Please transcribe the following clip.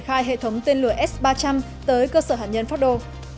để khai hệ thống tên lửa s ba trăm linh tới cơ sở hạt nhân pháp đô